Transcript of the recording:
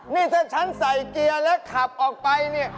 นี่ถ้าฉันใส่เกียร์แล้วขับออกไปเนี่ย